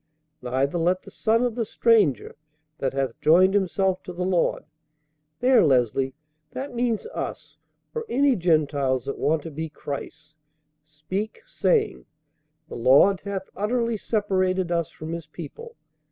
Neither let the son of the stranger that hath joined himself to the Lord' there, Leslie, that means us, or any Gentiles that want to be Christ's 'speak, saying, The Lord hath utterly separated us from his people....